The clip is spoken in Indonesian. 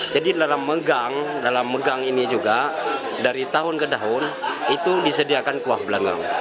jadi dalam megang dalam megang ini juga dari tahun ke tahun itu disediakan kuah belangong